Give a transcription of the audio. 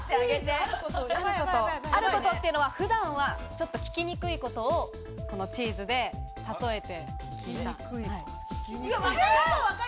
あることというのは普段は聞きにくいことを、このチーズでたとえて。